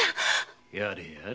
やれやれ